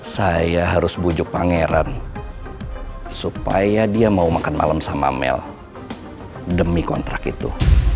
saya harus bujuk pangeran supaya dia mau makan malam sama mel demi kontrak itu